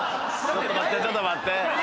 ちょっと待って。